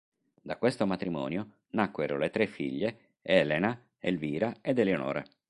Da questo matrimonio nacquero le tre figlie Elena, Elvira ed Eleonora.